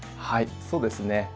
はいそうですね。